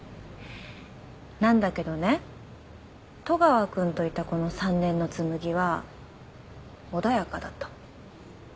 なんだけどね戸川君といたこの３年の紬は穏やかだったの。